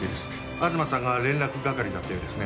東さんが連絡係だったようですね。